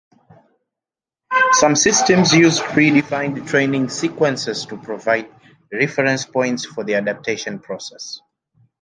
Some systems use predefined training sequences to provide reference points for the adaptation process.